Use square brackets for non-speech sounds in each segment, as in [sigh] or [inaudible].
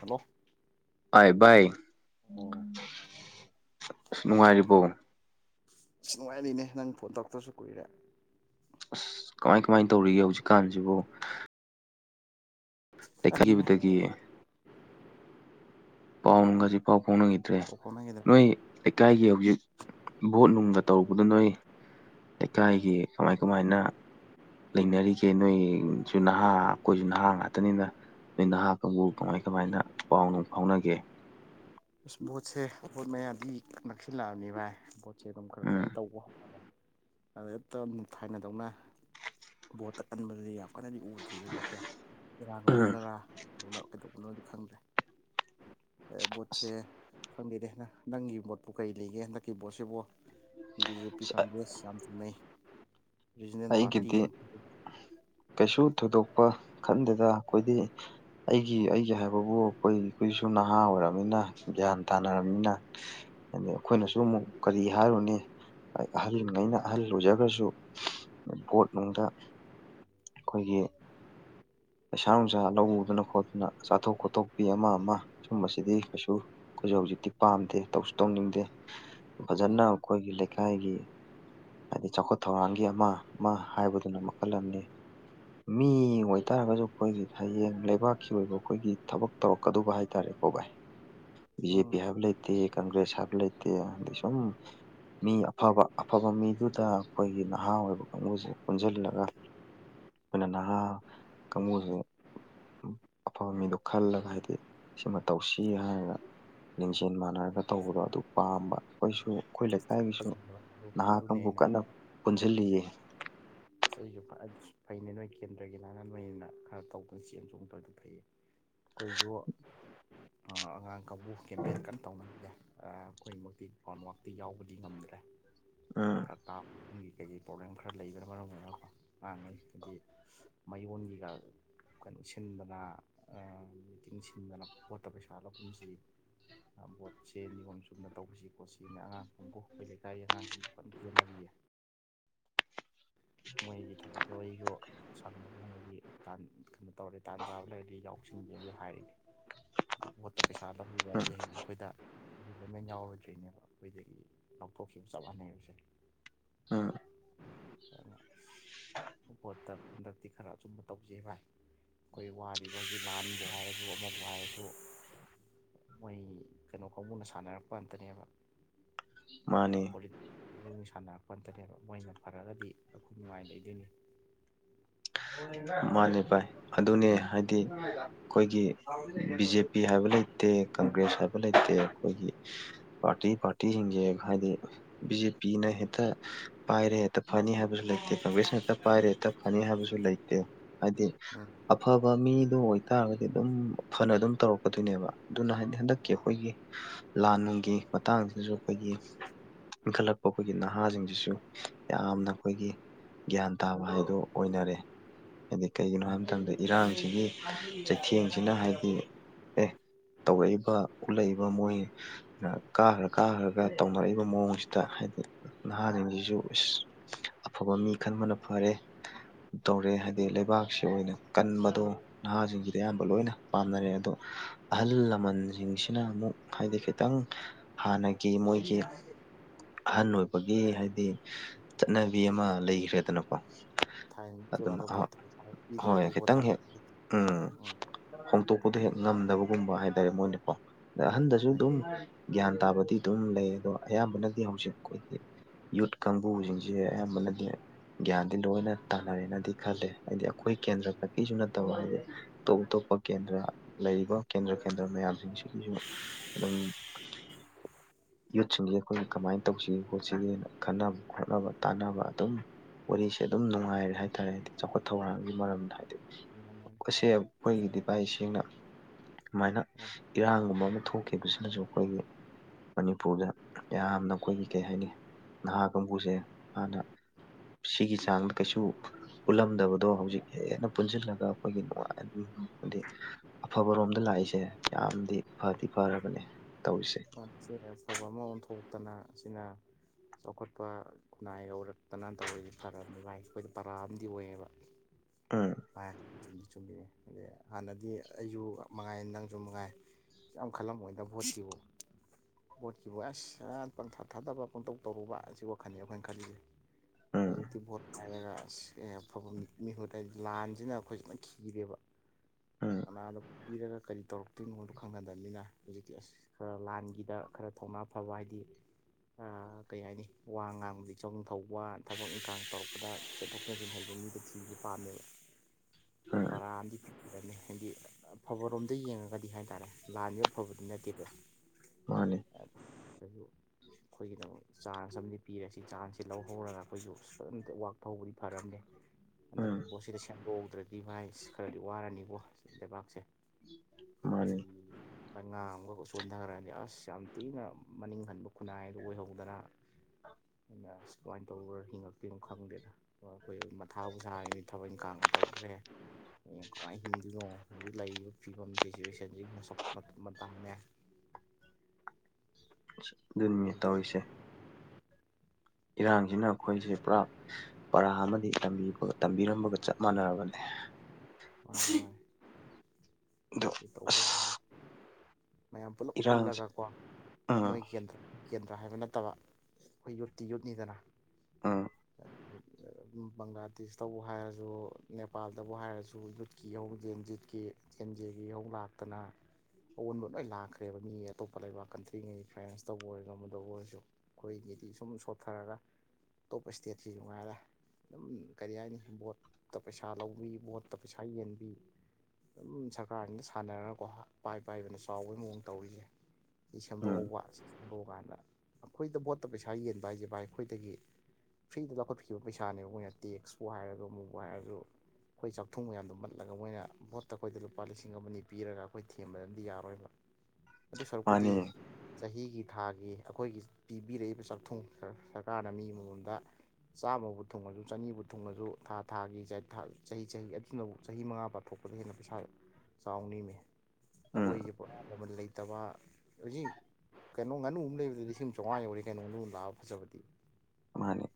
ꯊꯃꯣ ꯥꯏ ꯚꯥꯏ ꯑꯁ ꯑꯣ ꯅꯨꯡꯉꯥꯏꯔꯤꯕꯣ ꯑ ꯅꯨꯡꯉꯥꯏꯔꯤꯅꯦ ꯅꯪꯅ ꯐꯣꯟ ꯇꯧꯔꯛꯇꯁꯨ ꯀꯨꯏꯔꯦ ꯑꯁ ꯀꯃꯥꯏ ꯀꯃꯥꯏꯅ ꯇꯧꯔꯤꯒꯦ ꯍꯧꯖꯤꯛꯀꯥꯟꯁꯤꯕꯨ ꯑꯩꯅꯤꯅꯦ ꯂꯩꯈꯥꯏꯈꯤꯕꯗꯒꯤ ꯄꯥꯎ ꯅꯨꯡ ꯈꯖꯤꯛ ꯄꯥꯎ ꯐꯥꯎꯅꯈꯤꯗ꯭ꯔꯦ ꯄꯥꯎ ꯐꯥꯎꯅꯈꯤꯗ꯭ꯔꯦ ꯅꯣꯏ ꯂꯩꯀꯥꯏꯒꯤ ꯍꯧꯖꯤꯛ ꯚꯣꯠ ꯅꯨꯡꯒ ꯇꯧꯔꯨꯕꯗꯨ ꯅꯣꯏ ꯂꯩꯀꯥꯏꯒꯤ ꯀꯃꯥꯏ ꯀꯃꯥꯏꯅ ꯂꯩꯅꯔꯤꯒꯦ ꯅꯣꯏꯁꯨ ꯅꯍꯥ ꯑꯩꯈꯣꯏꯁꯨ ꯅꯍꯥ ꯉꯥꯛꯇꯅꯤꯅ ꯅꯣꯏ ꯅꯍꯥꯛꯀꯕꯨ ꯀꯃꯥꯏ ꯀꯃꯥꯏꯅ ꯄꯥꯎ ꯅꯨꯡ ꯐꯥꯎꯅꯒꯦ ꯏꯁ ꯕꯣꯠꯁꯦ ꯕꯣꯠ ꯃꯌꯥꯗꯤ ꯅꯛꯁꯤꯜꯂꯛꯑꯕꯅꯤ ꯚꯥꯏ ꯣꯠ ꯁꯦ ꯑꯗꯨꯨꯝ ꯈꯔ ꯎꯝ ꯈꯔꯗꯤ ꯇꯧꯕ ꯑꯗ ꯍꯦꯛꯇ ꯊꯥꯏꯅꯗꯧꯅ ꯕꯣꯠꯇ ꯑꯟꯕꯗꯨꯗꯤ ꯌꯥꯝ ꯀꯟꯅꯗꯤ ꯎꯗ ꯀ ꯀꯦ ꯏꯔꯥꯡ ꯂꯩꯕꯅꯔꯥ ꯃꯗ ꯈꯪꯗ ꯑꯦꯕꯣꯦ ꯈꯪꯕꯤꯔꯦ ꯅꯪꯒꯤ ꯕꯣꯠꯄꯨ ꯀꯔꯤ ꯂꯩꯒꯦ ꯍꯟꯗꯛꯀꯤ ꯕꯣꯠꯁꯤꯕꯨꯣ ꯕꯤ ꯖꯦ ꯄꯤ ꯀꯪꯒ꯭ꯔꯦꯁ ꯌꯥꯝ ꯊꯨꯝꯅꯩ ꯑꯩꯒꯤꯗꯤ ꯀꯩꯁꯨ ꯊꯣꯏꯗꯣꯛꯄ ꯈꯟꯗꯅ ꯑꯩꯈꯣꯏꯗꯤ ꯑꯩꯒꯤ ꯑꯩꯒꯤ ꯍꯥꯏꯕꯕꯨ ꯑꯩꯈꯣꯏ ꯑꯩꯈꯨꯣꯏꯁꯨ ꯅꯍꯥ ꯑꯣꯏꯔꯕꯝꯃꯤꯅ ꯒ꯭ꯌꯥꯟ ꯇꯥꯅꯔꯕꯃꯤꯅ ꯑꯗꯗꯤ ꯑꯩꯈꯣꯏꯅꯁꯨ ꯑꯃꯨꯛ ꯀꯔꯤ ꯍꯥꯏꯔꯨꯅꯤ ꯑꯍꯜ ꯑꯩꯅ ꯑꯍꯜ ꯑꯣꯏꯖꯈ꯭ꯔꯁꯨ ꯕꯣꯠꯅꯨꯡꯗ ꯑꯩꯈꯣꯏꯒꯤ ꯄꯩꯁꯥ ꯅꯨꯡꯁꯥ ꯂꯧ ꯎꯗꯅ ꯈꯣꯠꯇꯅ ꯆꯥꯊꯣꯛ ꯈꯣꯠꯇꯣꯛꯄꯤ ꯑꯃ ꯑꯃ ꯁꯨꯝꯕꯁꯤꯗꯤ ꯀꯩꯁꯨ ꯑꯩꯈꯣꯏꯁꯨ ꯍꯧꯖꯤꯛꯇꯤ ꯄꯥꯝꯗꯦ ꯇꯧꯁꯨ ꯇꯧꯅꯤꯡꯗꯦ ꯐꯖꯅ ꯑꯩꯈꯣꯏꯒꯤ ꯂꯩꯀꯥꯏꯒꯤ ꯍꯥꯏꯗꯤ ꯆꯥꯎꯈꯠ ꯊꯧꯔꯥꯡꯒꯤ ꯑꯃ ꯑꯃ ꯍꯥꯏꯕꯗꯨꯅ ꯃꯈꯜ ꯑꯃꯅꯤ ꯃꯤ ꯑꯣꯏ ꯍꯥꯏꯇꯥꯔꯒꯁꯨ ꯑꯩꯈꯣꯏꯒꯤ ꯍꯌꯦꯡ ꯂꯩꯕꯥꯛꯀꯤ ꯑꯣꯏꯕ ꯑꯩꯈꯣꯏꯒꯤ ꯊꯕꯛ ꯇꯧꯔꯛꯀꯗꯕ ꯍꯥꯏꯇꯥꯔꯦꯀꯣ ꯚꯥꯏ ꯕꯤ ꯖꯦ ꯎꯝ ꯄꯤ ꯍꯥꯏꯕ ꯂꯩꯇꯦ ꯀꯪꯒ꯭ꯔꯦꯁ ꯍꯥꯏꯕ ꯂꯩꯇꯦ ꯑꯗꯩ ꯁꯨꯝ ꯃꯤ ꯑꯐꯕ ꯑꯐꯕ ꯃꯤꯗꯨꯗ ꯑꯩꯈꯣꯏꯒꯤ ꯅꯍꯥ ꯑꯣꯏꯕ ꯀꯥꯡꯕꯨꯁꯦ ꯄꯨꯟꯁꯤꯜꯂꯒ ꯑꯩꯈꯣꯏꯅ ꯅꯍꯥ ꯀꯥꯡꯕꯨꯁꯦ ꯑꯐꯕ ꯃꯤꯗꯣ ꯈꯜꯂꯒ ꯍꯥꯏꯗꯤ ꯁꯤꯃ ꯇꯧꯁꯤ ꯍꯥꯏꯔꯒ ꯂꯤꯡꯖꯦꯜ ꯃꯥꯟꯅꯔꯒ ꯇꯧꯕꯗꯣ ꯑꯗꯨ ꯄꯥꯝꯕ ꯑꯩꯈꯣꯏꯁꯨ ꯑꯩꯈꯣꯏ ꯂꯩꯀꯥꯏꯒꯤꯁꯨ ꯅꯍꯥꯛꯀ ꯑꯗꯨꯅꯦ ꯑꯃꯕꯨ ꯑꯩꯅ ꯀꯟꯅ ꯄꯨꯟꯁꯤꯜꯂꯤꯌꯦ ꯑ ꯑꯩꯁꯨ ꯐꯩꯅꯦ ꯅꯣꯏ ꯀꯦꯟꯗ꯭ꯔꯒꯤꯅꯅ ꯅꯣꯏꯅ ꯈꯔ ꯇꯧꯕꯅ ꯆꯦꯟ ꯆꯣꯡꯕꯗꯤ ꯐꯩꯌꯦ ꯑꯩꯈꯣꯏꯁꯨ ꯑꯉꯥꯡ ꯀꯥꯡꯕꯨ ꯀꯦꯝꯄꯦꯟ ꯀꯟꯅ ꯇꯧꯅꯁꯦ ꯑꯩꯈꯣꯏꯃꯛꯇꯤ ꯒ꯭ꯔꯥꯎꯟꯋꯔꯥꯛꯇꯤ ꯌꯥꯎꯕꯗꯤ ꯉꯝꯗ꯭ꯔꯦ ꯎꯝ ꯇꯞꯒꯤ ꯀꯩꯒꯤ ꯄ꯭ꯔꯣꯕ꯭ꯂꯦꯝ ꯈꯔ ꯂꯩꯕꯅ ꯃꯔꯝ ꯑꯣꯏꯔꯒꯀꯣ ꯉꯥꯡꯩ ꯍꯥꯏꯗꯤ ꯃꯩꯕꯉꯒ ꯀꯩꯅꯣ ꯁꯤꯟꯗꯅ ꯃꯤꯇꯤꯡ ꯁꯤꯟꯗꯅ ꯄꯣꯠꯇ ꯄꯩꯁꯥ ꯂꯧꯐꯝꯁꯤ ꯕꯣꯠꯁꯦ ꯅꯤꯌꯣꯝ ꯆꯨꯝꯅ ꯇꯧꯕꯁꯤ ꯀꯣꯠꯁꯤꯅ ꯑꯉꯥꯡ ꯈꯪꯕꯨ ꯑꯩꯈꯣꯏ ꯂꯩꯀꯥꯏꯒꯤ ꯑꯉꯥꯡ ꯈꯕꯨ ꯀꯟꯕꯅꯕꯤꯌꯦ ꯃꯣꯏꯒꯤ ꯊꯕꯛꯇꯣ ꯑꯩꯁꯨ ꯁꯥꯟꯅꯕꯒꯤꯥꯟ ꯀꯩꯅꯣ ꯇꯧꯔꯦ ꯇꯥꯟ ꯀꯥꯕ ꯂꯩꯔꯗꯤ ꯌꯥꯎꯔꯦ ꯂꯧ ꯂꯧꯆꯟꯒꯦꯗ ꯍꯥꯏꯔꯤꯅꯤ [unintelligible] ꯃꯍꯨꯠꯇ ꯄꯩꯁꯥ ꯇꯝꯕ ꯍꯥꯏꯁꯦ ꯎꯝ ꯍꯌꯦꯡ ꯑꯩꯈꯣꯏꯗ ꯑꯗꯨ ꯂꯣꯏꯅ ꯌꯥꯎꯔꯗꯣꯏꯅꯦꯕ ꯑꯩꯈꯣꯏꯗꯒꯤ ꯂꯧꯊꯣꯛꯈꯤꯕ ꯆꯞ ꯃꯥꯟꯅꯩꯕꯁꯦ ꯑ [unintelligible] [unintelligible] ꯄꯣꯠꯇ ꯍꯟꯗꯛꯇꯤ ꯈꯔ ꯑꯆꯨꯝꯕ ꯇꯧꯖꯩ ꯚꯥꯏ ꯑꯩꯈꯣꯏ ꯋꯥꯔꯤꯕ ꯍꯧꯖꯤꯛ ꯂꯥꯟꯕꯨ ꯍꯥꯏꯔꯁꯨ ꯑꯃꯕꯨ ꯍꯥꯏꯔꯁꯨ ꯃꯣꯏ ꯀꯩꯅꯣ ꯀꯥꯡꯕꯨꯅ ꯁꯥꯟꯅꯔꯛꯄ ꯉꯥꯇꯅꯦꯕ ꯃꯥꯅꯤ ꯃꯣꯏ ꯁꯥꯟꯅꯔꯛꯄꯇꯅꯦꯕ ꯃꯣꯏꯅ ꯐꯔꯒꯗꯤ ꯑꯩꯈꯣꯏ ꯅꯨꯡꯉꯥꯏ ꯂꯩꯩꯗꯣꯏꯅꯤ ꯃꯥꯅꯦ ꯄꯥꯏ ꯑꯗꯨꯅꯦ ꯍꯥꯏꯗꯤ ꯑꯩꯈꯣꯏꯒꯤ ꯕꯤ ꯖꯦ ꯄꯤ ꯍꯥꯏꯕ ꯂꯩꯇꯦ ꯀꯪꯒ꯭ꯔꯦꯁ ꯍꯥꯏꯕ ꯂꯩꯇꯦ ꯑꯩꯈꯣꯏꯒꯤ ꯄꯥꯔꯇꯤ ꯄꯥꯔꯇꯤꯁꯤꯡꯁꯦ ꯍꯥꯏꯗꯤ ꯕꯤ ꯖꯦ ꯄꯤꯅ ꯍꯦꯛꯇ ꯄꯥꯏꯔꯦ ꯍꯦꯛꯇ ꯐꯅꯤ ꯍꯥꯏꯕꯁꯨ ꯂꯩꯇꯦ ꯀꯪꯒ꯭ꯔꯦꯁꯅ ꯍꯦꯛꯇ ꯄꯥꯏꯔꯦ ꯍꯦꯛꯇ ꯐꯅꯤ ꯍꯥꯏꯕꯁꯨ ꯂꯩꯇꯦ ꯍꯥꯏꯗꯤ ꯑꯐꯕ ꯃꯤꯗꯣ ꯑꯣꯏꯇꯥꯔꯒꯗꯤ ꯑꯗꯨꯝ ꯐꯅ ꯑꯗꯨꯝ ꯇꯧꯔꯛꯀꯗꯣꯏꯅꯦꯕ ꯑꯗꯨꯅ ꯍꯥꯏꯗꯤ ꯍꯟꯗꯛ ꯑꯩꯈꯣꯏꯒꯤ ꯂꯥꯟꯒꯤ ꯃꯇꯥꯡꯁꯤꯗꯁꯨ ꯑꯩꯈꯣꯏꯒꯤ ꯏꯟꯈꯠꯂꯛꯄ ꯑꯩꯈꯣꯏꯒꯤ ꯅꯍꯥꯁꯤꯡꯁꯤꯁꯨ ꯌꯥꯝꯅ ꯑꯩꯈꯣꯏꯒꯤ ꯒ꯭ꯌꯥꯟ ꯇꯥꯕ ꯍꯥꯏꯗꯣ ꯑꯣꯏꯅꯔꯦ ꯍꯥꯏꯗꯤ ꯀꯩꯒꯤꯅꯣ ꯍꯥꯏꯕ ꯃꯇꯝꯗ ꯏꯔꯥꯡꯁꯤꯒꯤ ꯆꯩꯊꯦꯡꯁꯤꯅ ꯍꯥꯏꯗꯤ ꯑꯦ ꯇꯧꯔꯛꯏꯕ ꯎꯠꯂꯛꯏꯕ ꯃꯣꯏ ꯀꯥꯈ꯭ꯔ ꯀꯥꯈ꯭ꯔꯒ ꯇꯧꯅꯔꯛꯏꯕ ꯃꯑꯣꯡꯁꯤꯗ ꯍꯥꯏꯗꯤ ꯅꯍꯥꯁꯤꯡꯁꯤꯁꯨ ꯑꯐꯕ ꯃꯤ ꯈꯟꯕꯅ ꯐꯔꯦ ꯇꯧꯔꯦ ꯍꯥꯏꯗꯤ ꯂꯩꯕꯥꯛꯁꯤ ꯑꯣꯏꯅ ꯀꯟꯕꯗꯣ ꯅꯍꯥꯁꯤꯡꯁꯤꯗꯤ ꯑꯌꯥꯝꯕ ꯂꯣꯏꯅ ꯄꯥꯝꯅꯔꯦ ꯑꯗꯣ ꯑꯍꯜ ꯂꯃꯟꯁꯤꯡꯁꯤꯅ ꯑꯃꯨꯛ ꯍꯥꯏꯗꯤ ꯈꯤꯇꯪ ꯍꯥꯟꯅꯒꯤ ꯃꯣꯏꯒꯤ ꯑꯍꯟ ꯑꯣꯏꯕꯒꯤ ꯍꯥꯏꯗꯤ ꯆꯠꯅꯕꯤ ꯚꯣꯠꯁꯦ ꯑꯃ ꯂꯩꯈ꯭ꯔꯦꯗꯅꯀꯣ ꯊꯥꯏ ꯑꯗꯨꯝ ꯆꯨꯔꯥꯕ ꯚꯣꯠ ꯑꯣꯏ ꯍꯣꯏꯣꯏ ꯄꯤꯗ꯭ꯔꯗꯤ ꯚꯣꯠ ꯈꯤꯇꯪ ꯊꯥ ꯍꯦꯛ ꯎꯝ ꯍꯣꯡꯗꯣꯛꯄꯗꯨ ꯍꯦꯛ ꯉꯝꯗꯕꯒꯨꯝꯕ ꯍꯥꯏ ꯇꯔꯦ ꯃꯣꯏꯅꯀꯣ ꯑꯗ ꯑꯍꯟꯗꯁꯨ ꯚꯥꯏ ꯑꯗꯨꯝ ꯒ꯭ꯌꯥꯟ ꯇꯥꯕꯗꯤ ꯑꯗꯨꯝ ꯂꯩ ꯑꯗꯣ ꯑꯌꯥꯝꯕꯅꯗꯤ ꯍꯧꯖꯤꯛ ꯑꯩꯈꯣꯏꯒꯤ ꯌꯨꯠ ꯀꯥꯡꯕꯨꯁꯤꯡꯁꯦ ꯑꯌꯥꯝꯕꯅꯗꯤ ꯒ꯭ꯌꯥꯟꯗꯤ ꯂꯣꯏꯅ ꯇꯥꯟꯅꯔꯦꯅꯗꯤ ꯈꯜꯂꯦ ꯍꯥꯏꯗꯤ ꯑꯩꯈꯣꯏ ꯀꯦꯟꯗ꯭ꯔ ꯈꯛꯀꯤꯁꯨ ꯅꯠꯇꯧ ꯍꯥꯏꯗꯤ ꯑꯇꯣꯞ ꯑꯇꯣꯞꯄ ꯀꯦꯟꯗ꯭ꯔ ꯂꯩꯔꯤꯕ ꯀꯦꯟꯗ꯭ꯔ ꯀꯦꯟꯗ꯭ꯔ ꯃꯌꯥꯝꯁꯤꯡꯁꯤꯒꯤꯁꯨ ꯑꯗꯨꯝ [unintelligible] [unintelligible] [inaudible] ꯌꯨꯠꯁꯤꯡꯁꯦ ꯑꯩꯈꯣꯏ ꯀꯃꯥꯏꯅ ꯇꯧꯁꯤꯒꯦ ꯈꯣꯠꯁꯤꯒꯦꯅ ꯈꯟꯅꯕ ꯈꯣꯠꯅꯕ ꯇꯥꯟꯅꯕ ꯑꯗꯨꯝ ꯋꯥꯔꯤꯁꯦ ꯑꯗꯨꯝ ꯅꯨꯡꯉꯥꯏꯔꯦ ꯍꯥꯏꯇꯥꯔꯦ ꯍꯥꯏꯗꯤ ꯆꯥꯎꯈꯠ ꯊꯧꯔꯥꯡꯒꯤ ꯃꯔꯝꯗ ꯍꯥꯏꯗꯤ ꯑꯁꯦ ꯑꯩꯈꯣꯏꯒꯤꯗꯤ ꯕꯥꯏ ꯁꯦꯡꯅ ꯁꯨꯃꯥꯏꯅ ꯏꯔꯥꯡꯒꯨꯝꯕ ꯑꯃ ꯊꯣꯛꯈꯤꯕꯁꯤꯅꯁꯨ ꯑꯩꯈꯣꯏꯒꯤ ꯃꯅꯤꯄꯨꯔꯗ ꯌꯥꯝꯅ ꯑꯩꯈꯣꯏꯒꯤ ꯀꯩ ꯍꯥꯏꯅꯤ ꯅꯍꯥ ꯀꯥꯡꯕꯨꯁꯦ ꯍꯥꯟꯅ ꯁꯤꯒꯤ ꯆꯥꯡꯗ ꯀꯩꯁꯨ ꯎꯜꯂꯝꯗꯕꯗꯣ ꯍꯧꯖꯤꯛ ꯍꯦꯟꯅ ꯄꯨꯟꯁꯤꯜꯂꯒ ꯑꯩꯈꯣꯏꯒꯤꯅꯨꯡ ꯍꯥꯏꯗꯤ ꯑꯐꯕꯔꯣꯝꯗ ꯂꯥꯛꯏꯁꯦ ꯌꯥꯝꯗꯤ ꯐꯗꯤ ꯐꯔꯕꯅꯦ ꯇꯧꯔꯤꯁꯦ ꯑꯗꯨꯨꯅꯦ ꯑꯐꯕ ꯑꯃ ꯑꯣꯟꯊꯣꯛꯇꯅ ꯑꯁꯤꯅ ꯆꯥꯎꯈꯠꯄ ꯈꯨꯟꯅꯥꯏ ꯌꯧꯔꯛꯇꯅ ꯇꯧꯔꯤꯁꯦ ꯐꯔꯅꯤ ꯂꯥꯏꯛꯄꯣꯏꯗ ꯄꯔꯥ ꯑꯃꯗꯤꯝ ꯑꯣꯏꯌꯦꯕ ꯎꯝ ꯐꯥꯏ ꯑꯗꯨꯗꯤ ꯆꯨꯝꯕꯤꯅꯤ ꯑꯗꯩ ꯍꯥꯟꯅꯗꯤ ꯑꯩꯁꯨ ꯃꯉꯥꯏ ꯅꯪꯁꯨ ꯃꯉꯥꯏ ꯌꯥꯝ ꯈꯜꯂꯝꯕꯣꯏꯗ ꯚꯣꯠꯀꯤꯕꯨ ꯕꯣꯠꯀꯤꯕꯨ ꯑꯁ ꯄꯪꯊ ꯊꯥꯗꯕ ꯄꯣꯟꯇꯧ ꯇꯧꯔꯨꯕ ꯑꯁꯤ ꯋꯥꯈꯜꯅꯦ ꯑꯩꯈꯣꯏꯅ ꯈꯜꯂꯤꯁꯦ ꯎꯝ ꯍꯧꯖꯤꯛꯇꯤ ꯚꯣꯠ ꯄꯥꯏꯔꯒ ꯑꯐꯕ ꯃꯤꯍꯨꯠ ꯍꯥꯏꯗꯤ ꯂꯥꯟꯁꯤꯅ ꯑꯩꯈꯣꯏꯁꯤꯅ ꯈꯤꯔꯦꯕ [inaudible] ꯀꯅꯥꯗꯣ ꯄꯤꯔꯒ ꯀꯔꯤ ꯇꯧꯔꯛꯇꯣꯏꯅꯣꯗ ꯈꯪꯅꯗꯕꯅꯤꯅ ꯍꯧꯖꯤꯛꯇꯤ ꯑꯁ ꯈꯔ ꯂꯥꯟꯒꯤ ꯗ ꯈꯔ ꯊꯧꯅꯥ ꯐꯕ ꯍꯥꯏꯗꯤ ꯑꯥ ꯀꯩ ꯍꯥꯏꯅꯤ ꯋꯥ ꯉꯥꯡꯕꯗꯤ ꯏꯆꯧ ꯊꯧꯕ ꯊꯕꯛ ꯏꯪꯈꯥꯡ ꯇꯧꯔꯛꯄꯗ ꯆꯠꯊꯣꯛ ꯆꯠꯁꯤꯟ ꯍꯥꯏꯕ ꯃꯤꯗꯣ ꯊꯤꯕ ꯄꯥꯝꯃꯦꯕ ꯑꯩꯈꯣꯏ ꯎꯝ ꯄꯔꯥ ꯑꯃꯗꯤ ꯊꯤꯈꯤꯔꯝꯅꯤ ꯍꯥꯏꯗꯤ ꯑꯐꯕꯔꯣꯝꯗ ꯌꯦꯡꯉꯒꯗꯤ ꯍꯥꯏꯇꯥꯔꯦ ꯂꯥꯟꯁꯤ ꯑꯕꯗꯤ ꯅꯠꯇꯦꯕ ꯃꯥꯅꯤ ꯀ [unintelligible] ꯑꯩꯈꯣꯏꯒꯤꯗꯃꯛ ꯆꯥꯟꯁ ꯑꯃꯗꯤ ꯄꯤꯔꯦ ꯁꯤ ꯆꯥꯟꯁꯁꯦ ꯂꯧꯍꯧꯔꯒ ꯑꯩꯈꯣꯏꯁꯨ ꯁꯝꯇ ꯋꯥꯛ ꯊꯧꯕꯗꯤ ꯐꯔꯝꯅꯤ [inaudible] ꯍꯟꯗꯛꯀꯤ ꯄꯣꯠꯁꯤꯗ ꯁꯦꯝꯗꯣꯛ ꯍꯧꯗ꯭ꯔꯗꯤ ꯚꯥꯏ ꯈꯔꯗꯤ ꯋꯥꯔꯅꯤꯕꯣ ꯂꯩꯕꯥꯛꯁꯦ ꯃꯥꯅꯤ ꯑꯉꯥꯡ ꯑꯃꯒ ꯁꯣꯟꯊꯈ꯭ꯔꯛꯅꯤ ꯑꯁ ꯌꯥꯝ ꯊꯤꯅ ꯃꯅꯤꯡ ꯍꯟꯕ ꯈꯨꯟꯅꯥꯏ ꯑꯗꯨ ꯑꯣꯏꯍꯧꯗꯅ ꯑꯩꯅ ꯁꯨꯃꯥꯏꯅ ꯇꯧꯕ ꯍꯤꯡꯉꯛꯇꯦꯅ ꯈꯪꯗꯦꯗ ꯑꯩꯈꯣꯏ ꯃꯊꯥꯕꯨ ꯁꯥꯔꯤꯅꯤ ꯊꯕꯛ ꯏꯡꯈꯥꯡꯅ ꯇꯧꯗ꯭ꯔꯦ ꯍꯌꯦꯡ ꯀꯃꯥꯏꯅ ꯍꯤꯡꯗꯣꯏꯅꯣ ꯍꯧꯖꯤꯛ ꯂꯩꯔꯤꯕ ꯐꯤꯕꯝ ꯁꯤꯋꯦꯁꯟꯁꯤꯒꯤ ꯃꯇꯥꯡꯅꯦ ꯑꯗꯩ ꯑꯗꯨꯅꯤ ꯉꯟꯇꯥꯅ ꯇꯧꯔꯤꯁꯦ ꯏꯔꯥꯡꯁꯤꯅ ꯑꯩꯈꯣꯏꯁꯦ ꯄꯨꯔꯥ ꯄꯔꯥ ꯑꯃꯗꯤ ꯇꯝꯕꯤ ꯇꯝꯕꯤꯔꯝꯕꯒ ꯆꯞ ꯃꯥꯟꯅꯔꯕꯅꯦ꯫ [unintelligible] ꯑꯗꯣ ꯀꯩꯩ ꯀꯩ ꯇꯧꯕ‌ꯦ ꯑꯁ ꯃꯌꯥꯝ ꯄꯨꯂꯞ ꯏꯔꯥꯡꯁꯦ ꯄꯨꯜꯂꯒ ꯀꯣ ꯎꯝ ꯅꯣꯏ ꯀꯦꯟꯗ꯭ꯔ ꯀꯦꯟꯗ꯭ꯔ ꯍꯥꯏꯕ ꯅꯠꯇꯕ ꯑꯩꯈꯣꯏ ꯌꯨꯠꯇꯤ ꯌꯨꯠꯅꯤꯗꯅ ꯑ ꯕꯪꯒ꯭ꯂꯥꯗꯦꯁꯇꯕꯨ ꯍꯥꯏꯔꯁꯨ ꯅꯦꯄꯥꯜꯗꯕꯨ ꯍꯥꯏꯔꯁꯨ ꯀꯤꯏꯍꯧ ꯖꯟꯖꯤꯠꯀꯤ ꯖꯟꯖꯤꯒꯤ ꯏꯍꯧ ꯂꯥꯛꯇꯅ ꯑꯑꯣꯟꯕ ꯂꯣꯏ ꯂꯥꯛꯈ꯭ꯔꯦꯕ ꯃꯤ ꯑꯇꯣꯞꯄ ꯂꯩꯕꯥꯛ ꯀꯟꯇ꯭ꯔꯤ ꯐ꯭ꯔꯦꯟꯁꯇꯕꯨ ꯑꯣꯏꯔꯒꯝ ꯑꯃꯗꯕꯨ ꯑꯣꯏꯔꯁꯨ ꯑꯩꯈꯣꯏꯒꯤꯗꯤ ꯁꯨꯝ ꯁꯣꯠꯊꯔꯒ ꯑꯇꯣꯞꯄ ꯏꯁꯇꯦꯠꯁꯤꯟ ꯅꯨꯡꯉꯥꯏꯔꯦ ꯑꯗꯨꯝ ꯀꯔꯤ ꯍꯥꯏꯅꯤ ꯕꯣꯠꯇ ꯄꯩꯁꯥ ꯂꯧꯕꯤ ꯕꯣꯠꯇ ꯄꯩꯁꯥ ꯌꯦꯟꯕꯤ ꯑꯗꯨꯝ ꯁꯔꯀꯥꯔꯁꯤꯅ ꯁꯥꯟꯅꯔꯒ ꯀꯣ ꯄꯥꯏ ꯄꯥꯏꯕꯅ ꯆꯥꯎꯕꯩ ꯃꯑꯣꯡ ꯇꯧꯔꯤꯁꯦ ꯁꯤ ꯎꯝ ꯁꯦꯝꯗꯣꯛꯑꯧꯕ ꯁꯦꯝꯗꯣꯛ ꯑꯀꯥꯟꯗ ꯑꯩꯈꯣꯏꯗ ꯕꯣꯠꯇ ꯄꯩꯁꯥ ꯌꯦꯟꯕ ꯍꯥꯏꯁꯦ ꯚꯥꯏ ꯑꯩꯈꯣꯏꯗꯒꯤ ꯐ꯭ꯔꯤꯗ ꯂꯧꯈꯠꯈꯤꯕ ꯄꯩꯁꯥꯅꯦꯕ ꯃ‍ꯣꯏꯅ ꯇꯦꯛꯁꯄꯨ ꯍꯥꯏꯔꯁꯨ ꯑꯃꯨꯕꯨ ꯍꯥꯏꯔꯁꯨ ꯑꯩꯈꯣꯏ ꯆꯥꯛꯊꯨꯡ ꯃꯌꯥꯝꯗꯣ ꯃꯠꯂꯒ ꯃꯣꯏꯅ ꯚꯣꯠ ꯈꯨꯠꯇ ꯂꯨꯄꯥ ꯂꯤꯁꯤꯡ ꯑꯃ ꯑꯅꯤ ꯄꯤꯔꯒ ꯑꯩꯈꯣꯏ ꯊꯦꯝꯕ ꯑꯃꯗꯤ ꯌꯥꯔꯣꯏꯕ ꯑꯗꯨ ꯁꯔꯨꯛꯄꯨꯗꯤ ꯃꯥꯅꯤ ꯆꯍꯤꯒꯤ ꯊꯥꯒꯤ ꯑꯩꯈꯣꯏꯒꯤ ꯄꯤꯕꯤꯔꯛꯏꯕ ꯆꯥꯛꯊꯨꯡ ꯈꯔ ꯁꯔꯀꯥꯔꯅ ꯃꯤ ꯑꯃꯥꯃꯥꯝꯗ ꯆꯥꯝꯃꯕꯨ ꯊꯨꯡꯉꯁꯨ ꯆꯅꯤꯕꯨ ꯊꯨꯡꯉꯁꯨ ꯊꯥ ꯊꯥꯒꯤ ꯆꯍꯤ ꯆꯍꯤ ꯑꯗꯨꯅꯕꯨ ꯆꯍꯤ ꯃꯉꯥ ꯄꯥꯊꯣꯛꯄ [unintelligible] ꯍꯦꯟꯅ ꯄꯩꯁꯥ ꯆꯥꯎꯅꯤꯡꯃꯦ ꯎꯝ ꯑꯩꯈꯣꯏꯁꯦ ꯄꯨꯔꯥ ꯃꯃꯥꯜ ꯂꯩ ꯇꯕ ꯍꯧꯖꯤ ꯀꯩꯅꯣ ꯉꯥꯅꯨ ꯑꯃ ꯂꯩꯕꯗꯤ ꯂꯤꯁꯤꯡ ꯆꯥꯝꯉꯥ ꯌꯧꯔꯦ ꯀꯩꯅꯣ ꯉꯥꯅꯨ ꯂꯥꯕ ꯐꯖꯕꯗꯤ꯫ ꯃꯥꯅꯤ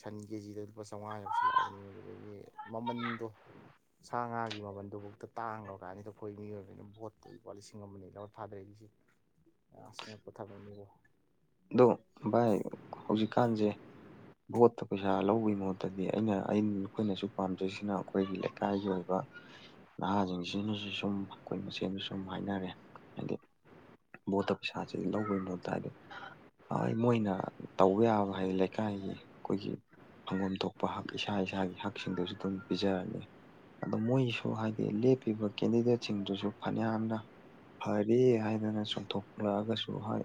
ꯁꯟ ꯀꯦꯖꯤꯗ ꯂꯨꯄꯥ ꯆꯥꯝꯉꯥ ꯌꯧꯁꯤꯜꯂꯛꯑꯕꯅꯤ ꯑꯗꯨꯗꯒꯤ ꯃꯃꯥꯟꯗꯣ ꯁꯥ ꯉꯥꯒꯤ ꯃꯃꯥꯟ ꯑꯗꯨꯐꯥꯎꯇ ꯇꯥꯡꯉ ꯀꯥꯟꯁꯤꯗ ꯑꯩꯈꯣꯏ ꯃꯤꯑꯣꯏꯕꯅ ꯕꯣꯠꯇ ꯂꯨꯄꯥ ꯂꯤꯁꯤꯡ ꯑꯃ ꯑꯅꯤ ꯂꯧꯔ ꯊꯥꯗꯔꯛꯏꯁꯤ ꯑꯁ ꯑꯉꯥꯛꯄꯥ ꯊꯕꯛ ꯅꯤꯕ‌ꯣ ꯑꯗꯣ ꯚꯥꯏ ꯍꯧꯖꯤꯛꯀꯥꯟꯁꯦ ꯚꯣꯠꯇ ꯄꯩꯁꯥ ꯂꯧꯕꯒꯤ ꯃꯍꯨꯠꯇꯗꯤ ꯑꯩꯅ ꯑꯩꯅ ꯑꯩꯈꯣꯏꯅꯁꯨ ꯄꯥꯝꯖꯔꯤꯁꯤꯅ ꯑꯩꯈꯣꯏꯒꯤ ꯂꯩꯀꯥꯏꯒꯤ ꯑꯣꯏꯕ ꯅꯍꯥꯁꯤꯡꯁꯤꯅꯁꯨ ꯁꯨꯝ ꯑꯩꯈꯣꯏ ꯃꯁꯦꯟꯗ ꯁꯨꯝ ꯍꯥꯏꯅꯔꯦ ꯍꯥꯏꯗꯤ ꯕꯣꯠꯇꯥ ꯄꯩꯁꯥꯁꯤ ꯂꯧꯕꯒꯤ ꯃꯍꯨꯠꯇ ꯍꯥꯏꯗꯤ ꯑꯏ ꯃꯣꯏꯅ ꯇꯧꯕ ꯌꯥꯕ ꯍꯥꯏꯗꯤ ꯂꯩꯀꯥꯏꯒꯤ ꯑꯩꯈꯣꯏꯒꯤ ꯐꯝꯕꯥꯝ ꯊꯣꯛꯄ ꯍꯛ ꯏꯁꯥ ꯏꯁꯥꯒꯤ ꯍꯛꯁꯤꯡꯗꯨꯁꯨ ꯑꯗꯨꯝ ꯄꯤꯖꯔꯅꯤ꯫ ꯑꯗꯨꯝ ꯃꯣꯏꯁꯨ ꯍꯥꯏꯗꯤ ꯂꯦꯞꯄꯤꯕ ꯀꯦꯟꯗꯤꯗꯦꯠ ꯁꯤꯡꯗꯨꯁꯨ ꯐꯅꯌꯥꯝꯅ ꯐꯔ‌ꯦ ꯍꯥꯏꯗꯅ ꯆꯣꯡꯊꯣꯛꯂꯛꯑꯒꯁꯨ ꯍꯥꯏ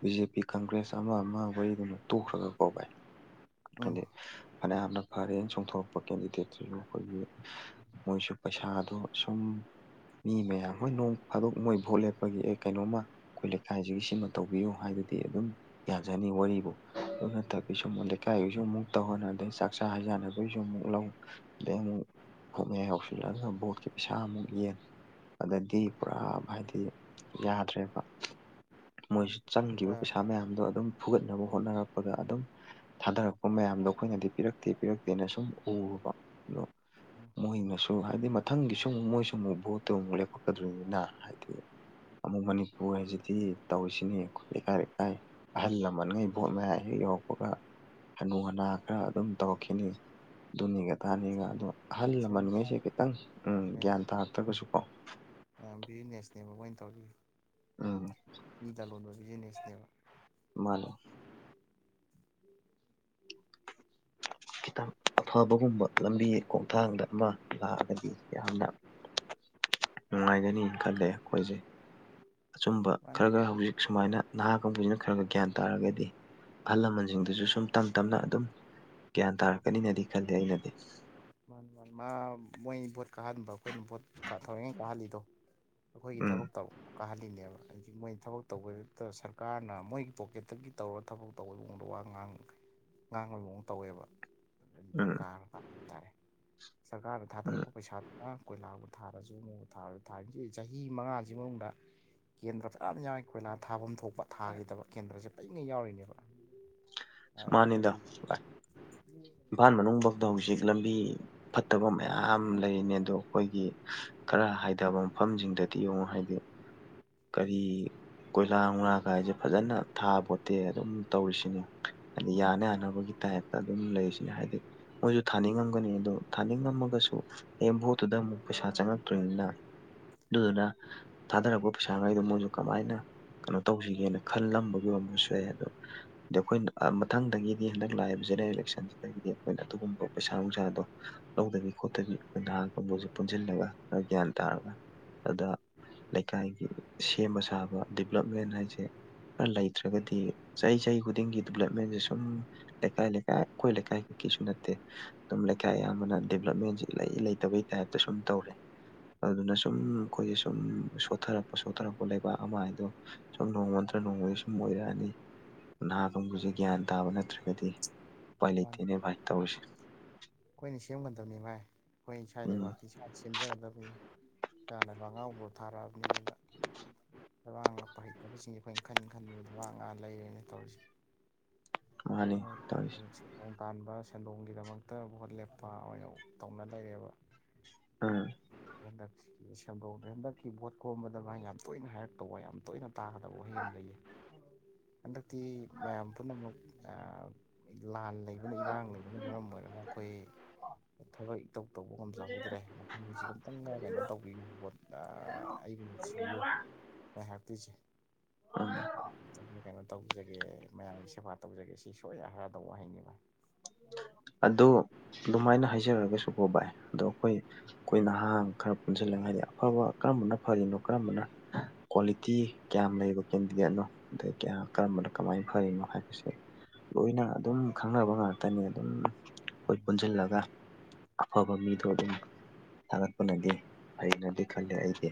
ꯕꯤ ꯖꯦ ꯄꯤ ꯀꯪꯒ꯭ꯔꯦꯁ ꯑꯃ ꯑꯃ ꯑꯩꯈ‍ꯣꯏ ꯑꯗꯨꯅ ꯇꯣꯛꯈ꯭ꯔꯒ ꯚꯥꯏ ꯎꯝ ꯈꯪꯗꯦ ꯐꯅꯌꯥꯝꯅ ꯐꯔꯦꯅ ꯆꯣꯡꯊꯣꯔꯛꯄ ꯀꯦꯟꯗꯤꯗꯦꯠꯁꯤꯁꯨ ꯑꯩꯈꯣꯏꯒꯤ ꯃꯣꯏꯁꯨ ꯄꯩꯁꯥꯗꯣ ꯁꯨꯝ ꯃꯤ ꯃꯌꯥꯝ ꯍꯣꯏ ꯅꯣꯡ ꯐꯥꯗꯣꯛ ꯃꯣꯏ ꯚꯣꯠ ꯂꯦꯞꯄꯒꯤ ꯑꯦ ꯀꯩꯅꯣꯝꯃ ꯑꯩꯈꯣꯏ ꯂꯩꯀꯥꯏꯁꯤꯒꯤ ꯁꯤꯃ ꯇꯧꯕꯤꯌꯨ ꯍꯥꯏꯕꯗꯤ ꯑꯗꯨꯝ ꯌꯥꯖꯅꯤ ꯋꯥꯔꯤꯕꯨ ꯑꯗꯨ ꯅꯠꯇ꯭ꯔꯕꯤꯁꯨꯨꯝ ꯂꯩꯀꯥꯏꯒꯤꯁꯨ ꯑꯃꯨꯛ ꯇꯧꯍꯟꯅꯗꯩ ꯆꯥꯛ ꯆꯥ ꯍꯩꯖꯅꯕꯒꯤꯁꯨ ꯑꯃꯨꯛ ꯂꯧ ꯑꯗꯩ ꯑꯃꯨꯛ ꯕꫭꯠ ꯃꯌꯥꯏ ꯌꯥꯁꯤꯜꯂꯥꯛꯑꯒ ꯕꯣꯠꯀꯤ ꯄꯩꯁꯥ ꯑꯃꯨꯛ ꯌꯦꯟ ꯑꯗꯗꯤ ꯄꯨꯔꯥ ꯍꯥꯏꯗꯤ ꯌꯥꯗ꯭ꯔꯦꯕ ꯃꯣꯏꯁꯨ ꯆꯪ ꯄꯥꯟꯇ ꯄꯩꯁꯥ ꯃꯌꯥꯝꯗꯣ ꯑꯗꯨꯝ ꯐꯨꯒꯠꯅꯕ ꯍꯣꯠꯅꯔꯛꯄꯒ ꯑꯗꯨꯝ ꯊꯥꯗꯔꯛꯄ ꯃꯌꯥꯝꯗꯣ ꯑꯩꯈꯣꯏꯅꯗꯤ ꯄꯤꯔꯛꯇꯦ ꯄꯤꯔꯛꯇꯦꯅ ꯁꯨꯝ ꯎꯕ ꯑꯗꯣ ꯃꯣꯏꯅꯁꯨ ꯍꯥꯏꯗꯤ ꯃꯊꯪꯒꯤꯁꯨ ꯑꯃꯨꯛ ꯃꯣꯏꯁꯨ ꯑꯃꯨꯛ ꯚꫭꯠꯇꯨ ꯑꯃꯨꯛ ꯂꯦꯞꯄꯥꯛꯀꯗ꯭ꯨꯔꯤꯅꯤꯅ ꯍꯥꯏꯗꯤ ꯑꯃꯨꯛ ꯃꯅꯤꯄꯨꯔ ꯍꯥꯏꯁꯤꯗꯤ ꯇꯧꯔꯤꯁꯤꯅꯦ ꯈꯣꯠ ꯂꯤꯀꯥꯏ ꯑꯩ ꯑꯍꯜ ꯂꯃꯟꯉꯩ ꯚꯣꯠ ꯃꯌꯥ ꯍꯦꯛ ꯌꯧꯔꯛꯄꯒ ꯍꯅꯨ ꯍꯅꯥ ꯈꯔ ꯑꯗꯨꯝ ꯇꯧꯔꯛꯈꯤꯅꯤ ꯑꯗꯨꯅꯤꯒ ꯑꯗꯥꯅꯤꯒ ꯑꯗꯣ ꯑꯍꯜ ꯁꯦꯟ ꯂꯃꯟꯉꯩꯁꯦ ꯈꯤꯇꯪ ꯎꯝ ꯒ꯭ꯌꯥꯟ ꯇꯥꯗꯔꯒꯁꯨꯀꯣ ꯃꯌꯥꯝ ꯕꯤꯖꯤꯅꯦꯁꯅꯦꯕ ꯃꯣꯏꯅ ꯇꯧꯔꯤ ꯎꯝ ꯃꯤ ꯂꯂꯣꯟꯕ ꯕꯤꯖꯤꯅꯦꯁꯅꯦꯕ ꯃꯥꯅꯦ ꯈꯤꯇꯪ ꯑꯐꯕꯒꯨꯝꯕ ꯂꯝꯕꯤ ꯈꯣꯡꯊꯥꯡꯗ ꯑꯃ ꯂꯥꯛꯑꯒꯗꯤ ꯌꯥꯝꯅ ꯅꯨꯡꯉꯥꯏꯒꯅꯤꯅ ꯈꯜꯂꯦ ꯑꯩꯈꯣꯏꯁꯦ ꯑꯆꯨꯝꯕ ꯃꯥꯅꯤ ꯈꯔꯒ ꯍꯧꯖꯤꯛ ꯁꯨꯃꯥꯏꯅ ꯅꯍꯥ ꯀꯥꯡꯕꯨꯁꯤꯅ ꯈꯔ ꯈꯔ ꯒ꯭ꯌꯥꯟ ꯇꯥꯔꯒꯗꯤ ꯑꯍꯜ ꯂꯃꯟꯁꯤꯡꯗꯨꯁꯨ ꯁꯨꯝ ꯇꯝ ꯇꯞꯅ ꯑꯗꯨꯝ ꯒ꯭ꯌꯥꯟ ꯇꯥꯔꯛꯀꯅꯤꯅꯗꯤ ꯈꯜꯂꯤ ꯑꯩꯅꯗꯤ ꯃ ꯃ ꯃꯥ ꯃꯣꯏ ꯚꯣꯠ ꯀꯥꯍꯟꯕ ꯑꯩꯈꯣꯏꯅ ꯚꯣꯠ ꯊꯧꯑꫭꯏꯅ ꯀꯥꯍꯜꯂꯤꯗꯣ ꯑꯩꯈꯣꯏꯒꯤ ꯎꯝ ꯊꯕꯛ ꯇꯧ ꯀꯥꯍꯜꯂꯤꯅꯦꯕ ꯍꯧꯖꯤꯛ ꯃꯣꯏ ꯊꯕꯛ ꯇꯧꯕꯗꯨ ꯁꯔꯀꯥꯔꯅ ꯃꯣꯏꯒꯤ ꯄꯣꯀꯦꯠꯇꯒꯤ ꯇꯧꯔ ꯊꯕꯛ ꯇꯧꯕꯩꯑꯣꯡꯗ ꯋꯥ ꯉꯥꯡ ꯉꯥꯡꯕꯒꯤ ꯃꯑꯣꯡ ꯇꯧꯋꯦꯕ ꯎꯝ ꯚꫭꯠ ꯀꯥꯔꯀꯥꯟ ꯇꯔꯦ ꯁꯔꯀꯥꯔꯗ ꯎꯝ ꯊꯥꯗꯔꯛꯄ ꯄꯩꯁꯥ ꯐꯖꯅ ꯀꯣꯏꯂꯥꯕꯨ ꯊꯕꯁꯤꯃꯨ ꯊꯥꯔꯁꯨ ꯊꯥꯔꯤꯁꯤ ꯆꯍꯤ ꯃꯉꯥꯁꯤ ꯃꯅꯨꯡꯗ ꯀꯦꯟꯗ꯭ꯔ ꯐꯖꯅ ꯌꯥꯎꯏ ꯀꯣꯏꯂꯥ ꯊꯥꯐꯝ ꯊꯣꯛꯄ ꯊꯥꯈꯤꯗꯕ ꯀꯦꯟꯗ꯭ꯔꯁꯦ ꯄꯔꯤꯉꯩ ꯌꯥꯎꯔꯤꯅꯦꯕ [unintelligible] ꯍꯥꯏ ꯃꯥꯅꯤꯗ ꯑꯗꯨꯒꯤ [unintelligible] ꯚꯥꯏ ꯏꯝꯐꯥꯜ ꯃꯅꯨꯡ ꯐꯥꯎꯗ ꯍꯧꯖꯤꯛ ꯂꯝꯕꯤ ꯐꯠꯇꯕ ꯃꯌꯥꯝ ꯂꯩꯔꯤꯅꯦ ꯑꯗꯣ ꯑꯩꯈꯣꯏꯒꯤ ꯈꯔ ꯍꯥꯏꯊꯕ ꯃꯐꯝꯁꯤꯡꯗꯗꯤ ꯌꯦꯡꯉꯨ ꯍꯥꯏꯗꯤ ꯀꯔꯤ ꯀꯣꯏꯂꯥꯡ ꯃꯂꯥꯡ ꯀꯥꯏꯁꯦ ꯐꯖꯅ ꯊꯥ ꯈꯣꯠꯇꯦ ꯑꯗꯨꯝ ꯇꯧꯔꯤꯁꯤꯅꯦ ꯍꯥꯏꯗꯤ ꯌꯥꯅ ꯌꯥꯅꯕꯒꯤ ꯇꯥꯏꯞꯇ ꯑꯗꯨꯝ ꯂꯩꯁꯤꯅꯦ ꯍꯥꯏꯗꯤ ꯃꯣꯏꯁꯨ ꯊꯥꯅꯤꯡꯉꯝꯒꯅꯤ ꯑꯗꯣ ꯊꯥꯅꯤꯡꯉꯝꯃꯒꯁꯨ ꯑꯩ ꯚꯣꯠꯇꯨꯗ ꯑꯃꯨꯛ ꯄꯩꯁꯥ ꯆꯪꯉꯛꯇꯣꯣꯏꯅꯤꯅ ꯑꯗꯨꯗꯨꯅ ꯊꯥꯗꯔꯛꯄ ꯄꯩꯁꯥꯉꯩꯗꯣ ꯃꯣꯏꯁꯨ ꯀꯃꯥꯏꯅ ꯀꯩꯅꯣ ꯇꯧꯁꯤꯒꯦꯅ ꯈꯜꯂꯝꯕꯒꯤꯨꯝ ꯑꯃꯁꯁꯨ ꯌꯥꯏ ꯑꯗꯣ ꯑ ꯑꯩꯈꯣꯏꯅ ꯃꯊꯪꯗꯒꯤꯗꯤ ꯍꯟꯗꯛ ꯂꯥꯛꯏꯕ ꯖꯦꯅꯔꯦꯜ ꯏꯂꯦꯛꯁꯟꯁꯤꯗꯒꯤꯗꯤ ꯑꯩꯈꯣꯏꯅ ꯑꯗꯨꯒꯨꯝꯕ ꯄꯩꯁꯥ ꯅꯨꯡꯁꯥꯗꯣ ꯂꯧꯗꯕꯤ ꯈꯣꯠꯇꯕꯤ ꯑꯩꯈꯣꯏ ꯅꯍꯥꯒꯨꯝꯕꯁꯨ ꯄꯨꯟꯁꯤꯜꯂꯒ ꯈꯔ ꯒ꯭ꯌꯥꯟ ꯇꯥꯔꯒ ꯑꯗꯨꯗ ꯂꯩꯀꯥꯏꯒꯤ ꯁꯦꯝꯕ ꯁꯥꯕ ꯗꯤꯕꯂꯞꯃꯦꯟ ꯍꯥꯏꯁꯦ ꯈ ꯂꯩꯇ꯭ꯔꯒꯗꯤ ꯆꯍꯤ ꯆꯍꯤ ꯈꯨꯗꯤꯡꯒꯤ ꯗꯤꯕꯂꯞꯃꯦꯟꯁꯦ ꯁꯨꯝ ꯂꯩꯀꯥꯏꯀ ꯀꯈꯣꯏꯀꯥꯏ ꯍ ꯅꯠꯇꯦ ꯑꯗꯨꯝ ꯂꯩꯀꯥꯏ ꯑꯌꯥꯝꯕꯅ ꯗꯤꯕꯂꯞꯃꯦꯟꯁꯤ ꯂꯩ ꯂꯩꯇꯕꯒꯤ ꯇꯥꯏꯞꯇ ꯁꯨꯝ ꯇꯧꯔꯦ ꯑꯗꯨꯅ ꯁꯨꯝ ꯑꯩꯈꯣꯏꯁꯦ ꯁꯨꯝ ꯁꯣꯊꯔꯛꯄ ꯄꯣꯠꯊꯣꯛꯊꯔꯛꯄ ꯂꯩꯕꯥꯛ ꯑꯃ ꯍꯥꯏꯗꯣ ꯁꯨꯝ ꯅꯣꯡꯃꯗ꯭ꯔ ꯅꯣꯡꯃꯗꯤ ꯁꯨꯝ ꯑꯣꯏꯔꯛꯑꯅꯤ ꯅꯍꯥꯒꯨꯝꯕꯁꯦ ꯒ꯭ꯌꯥꯟ ꯇꯥꯕ ꯅꯠꯇ꯭ꯔꯒꯗꯤ ꯎꯄꯥꯏ ꯋꯥꯅꯤ ꯂꯩꯇꯦꯅꯦ ꯚꯥꯏ ꯇꯧꯔꯤꯁꯦ ꯑꯩꯈꯣꯏꯅ ꯁꯦꯝꯒꯟꯗꯕꯅꯤ ꯚꯥꯏ ꯑꯩꯈꯣꯏ ꯏꯁꯥ ꯎꯝ ꯂꯩꯕꯥꯛꯇ ꯠ ꯁꯦꯝꯖꯒꯗꯕꯅꯤ ꯏꯥꯟꯅꯕ ꯑꯉꯥꯎꯕꯥꯎ ꯊꯥꯔꯛꯑꯕꯅꯤ ꯑꯗꯨꯒ ꯊꯕ ꯉꯛꯄ ꯍꯩꯇꯕꯁꯤꯡꯁꯦ ꯑꯩꯣꯏꯅ ꯈꯟ ꯈꯟꯕ ꯉ ꯂꯩꯔꯦꯅ ꯇꯧꯔꯤꯁꯦ ꯃꯥꯅꯤ ꯇꯧꯔꯤꯁꯦ ꯅꯣꯡ ꯇꯥꯟꯕ ꯁꯦꯟꯗꯣꯡꯒꯤꯗꯃꯛ ꯐ ꯣꯠ ꯂꯦꯞꯄ ꯑꯣꯏꯅ ꯇꯧꯅ ꯂꯩꯔꯦꯕ ꯎꯥ ꯍꯟꯗꯛꯀꯤ ꯁꯧꯅꯦ ꯍꯟꯗꯛꯀꯤ ꯚꯣꯠ ꯀꯣꯝꯕꯗ ꯃꯥ ꯌꯥꯝ ꯇꯣꯏꯅ ꯍꯥꯏꯔꯛ ꯇꯧꯕ ꯌꯥꯝ ꯇꯣꯏꯅ ꯇꯥꯒꯗꯕ ꯋꯥꯍꯩ ꯑꯃ ꯂꯩꯌꯦ ꯍꯟꯗꯛꯇꯤ ꯃꯌꯥꯝ ꯄꯨꯝꯅꯃꯛ ꯂꯥꯟ ꯂꯩꯕꯅ ꯏꯔꯥꯡ ꯂꯩꯕꯅ ꯃꯔꯝ ꯑꯣꯏꯔꯒ ꯑꯩꯈꯣꯏ ꯊꯕꯛ ꯏꯇꯧ ꯇꯧꯕ ꯉꯝꯖꯍꯧꯗ꯭ꯔꯦ ꯃꯤꯁ ꯈꯛꯇꯪꯒ ꯀꯩꯅꯣ ꯇꯧꯕꯤꯨꯣ ꯑꯩꯕꯨ ꯅꯨꯡꯁꯤꯕꯤꯌꯨ ꯍ ꯍꯥꯦꯄꯤꯆꯦ ꯎꯝ ꯀꯩꯅꯣ ꯇꯧꯖꯒꯦ ꯃꯌꯥꯝꯒꯤ ꯁꯦꯕꯥ ꯇꯧꯖꯒꯦ ꯁꯤ ꯁꯣꯏ ꯍꯥꯏꯔꯗꯕ ꯋꯥꯍꯩꯅꯤꯕ ꯑꯗꯨ ꯑꯗꯨꯃꯥꯏꯅ ꯍꯥꯏꯖꯔꯒꯁꯨꯀꯣ ꯚꯏ ꯑꯗꯣ ꯑꯩꯈꯣꯏ ꯑꯩꯈꯣꯏ ꯅꯍꯥꯡ ꯈꯔ ꯄꯨꯟꯁꯤꯜꯂ ꯍꯥꯏꯗꯤ ꯑꯐꯕ ꯀꯔꯝꯕꯅ ꯐꯔꯤꯅꯣ ꯀꯔꯝꯕꯅ ꯀ꯭ꯋꯥꯂꯤꯇꯤ ꯀꯌꯥꯝ ꯂꯩꯕ ꯀꯦꯟꯗꯤꯗꯦꯠꯅꯣ ꯑꯗꯩ ꯀꯌꯥ ꯀꯔꯝꯕꯅ ꯀꯃꯥꯏꯅ ꯐꯔꯤꯅꯣ ꯍꯥꯏꯕꯁꯦ ꯂꯣꯏꯅ ꯑꯗꯨꯝ ꯈꯪꯅꯕ ꯉꯥꯛꯇ ꯉꯥꯛ ꯇꯅꯤ ꯑꯗꯨꯝ ꯎꯝ ꯑꯩꯈꯣꯏ ꯄꯨꯟꯁꯤꯜꯂꯒ ꯑꯐꯕ ꯃꯤꯗꯣ ꯑꯗꯨꯝ ꯊꯥꯒꯠꯄꯅꯗꯤ ꯐꯩꯅꯗꯤ ꯈꯜꯂꯦ ꯑꯩꯗꯤ